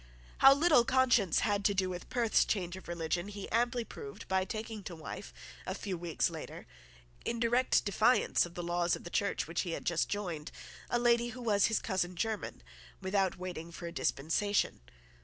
How little conscience had to do with Perth's change of religion he amply proved by taking to wife, a few weeks later, in direct defiance of the laws of the Church which he had just joined, a lady who was his cousin german, without waiting for a dispensation.